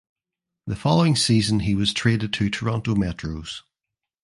The following season he was traded to Toronto Metros.